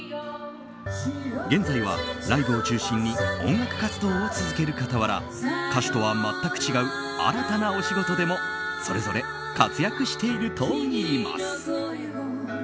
現在は、ライブを中心に音楽活動を続ける傍ら歌手とは全く違う新たなお仕事でもそれぞれ活躍しているといいます。